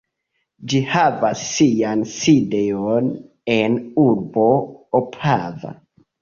Ĝi havas sian sidejon en urbo Opava.